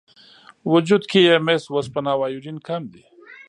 وجود کې یې مس، وسپنه او ایودین کم دي.